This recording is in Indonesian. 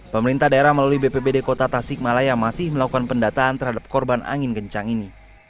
pemerintah daerah melalui bpbd kota tasikmalaya masih melakukan pendataan terhadap korban angin kencang ini